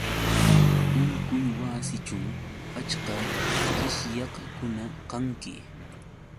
Unquywasićhu achka qishyaqkuna kanki